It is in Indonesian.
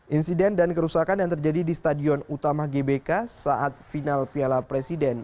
insiden dan kerusakan yang terjadi di stadion utama gbk saat final piala presiden